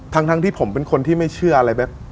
ทั้งที่ผมเป็นคนที่ไม่เชื่ออะไรแบบ